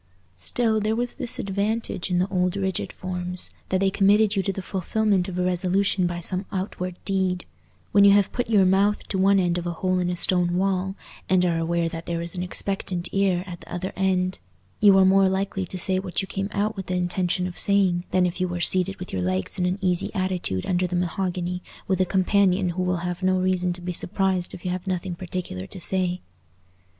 Still, there was this advantage in the old rigid forms, that they committed you to the fulfilment of a resolution by some outward deed: when you have put your mouth to one end of a hole in a stone wall and are aware that there is an expectant ear at the other end, you are more likely to say what you came out with the intention of saying than if you were seated with your legs in an easy attitude under the mahogany with a companion who will have no reason to be surprised if you have nothing particular to say.